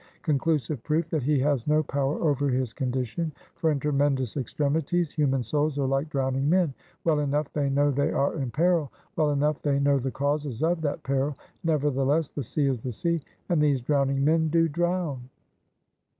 Conclusive proof that he has no power over his condition. For in tremendous extremities human souls are like drowning men; well enough they know they are in peril; well enough they know the causes of that peril; nevertheless, the sea is the sea, and these drowning men do drown.